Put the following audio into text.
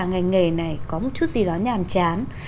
ngành nghề này có một chút gì đó nhàm chán